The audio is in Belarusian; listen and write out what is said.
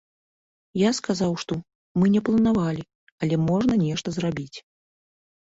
Я сказаў, што мы не планавалі, але можна нешта зрабіць.